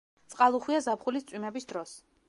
წყალუხვია ზაფხულის წვიმების დროს.